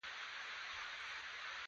په لسهاوو زره خېمو کې خپله خېمه پیدا کړي.